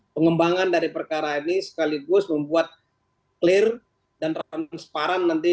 pengembangan dari perkara ini sekaligus membuat clear dan transparan nanti